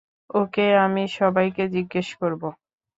ওকে, আমি সবাইকে জিজ্ঞেস করব।